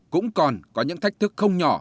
cũng còn có những thách thức không nhỏ